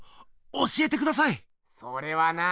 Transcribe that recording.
それはなあ。